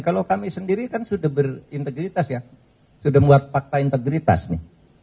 kalau kami sendiri kan sudah berintegritas ya sudah membuat fakta integritas nih